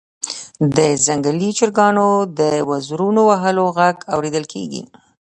د ځنګلي چرګانو د وزرونو وهلو غږ اوریدل کیږي